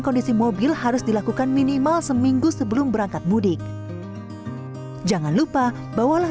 kondisi mobil harus dilakukan minimal seminggu sebelum berangkat mudik jangan lupa bawalah